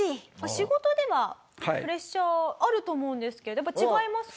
仕事ではプレッシャーあると思うんですけどやっぱ違いますか？